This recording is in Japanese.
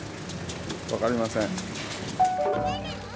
分かりません。